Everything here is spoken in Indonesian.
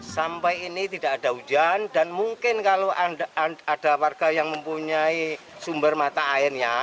sampai ini tidak ada hujan dan mungkin kalau ada warga yang mempunyai sumber mata airnya